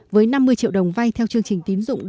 với năm mươi triệu đồng vay theo chương trình tín dụng